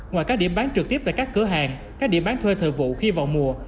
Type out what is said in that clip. ngoài các điểm bán trực tiếp tại các cửa hàng các điểm bán thuê thời vụ khi vào mùa